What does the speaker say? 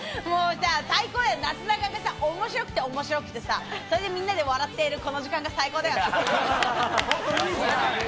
最高や、なすなかが面白くて面白くてみんなで笑ってるこの時間が最高だよね。